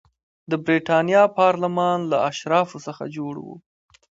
د برېټانیا پارلمان له اشرافو څخه جوړ و.